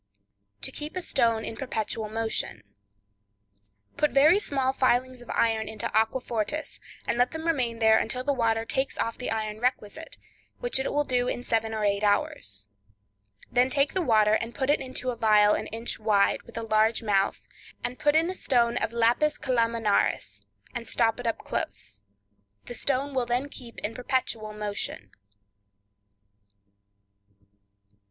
To Keep a Stone in Perpetual Motion.—Put very small filings of iron into aquafortis, and let them remain there until the water takes off the iron requisite, which it will do in seven or eight hours. Then take the water and put it into a phial an inch wide, with a large mouth, and put in a stone of lapis calaminaris, and stop it up close; the stone will then keep in perpetual motion.